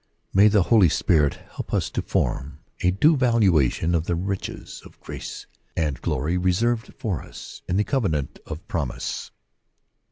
May the Holy Spirit help us to form a due valuation of the riches of grace and glory reserved for us in the covenant of promise.